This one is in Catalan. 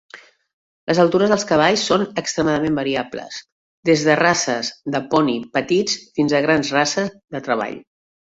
Les altures dels cavalls són extremadament variables, des de races de poni petits fins a grans races de treball.